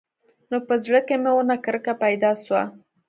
نو په زړه کښې مې ورنه کرکه پيدا سوه.